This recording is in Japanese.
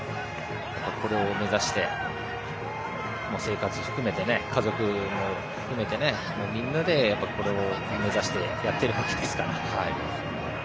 これを目指して、生活も含めて家族も含めて、みんなでこれを目指してやっているわけですから。